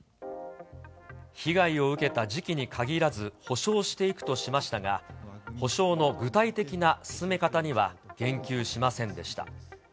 被害を受けた時期にかぎらず補償していくとしましたが、補償の具体的な進め方には言及しませんでした。